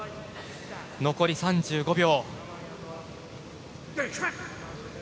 残り３５秒。